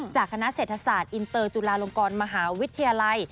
จากคณะเศรษฐศาสตร์อินเตอร์จุฬาลงกรมหาวิทยาลัย